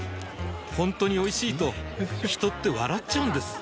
ほんとにおいしいと人って笑っちゃうんです